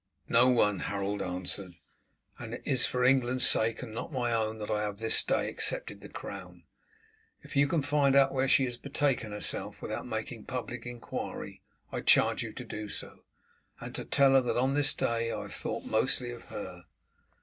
"No one," Harold answered; "and it is for England's sake and not my own that I have this day accepted the crown. If you can find out where she has betaken herself without making public inquiry I charge you to do so, and to tell her that on this day I have thought mostly of her.